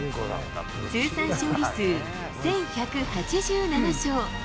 通算勝利数１１８７勝。